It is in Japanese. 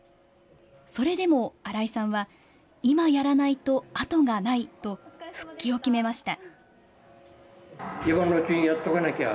それでも新井さんは、今やらないと後がないと、復帰を決めました。